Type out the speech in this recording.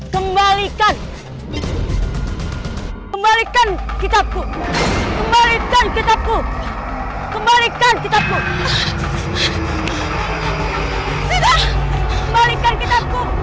kembalikan kembalikan kitabku kembalikan kitabku kembalikan kitabku kembalikan kita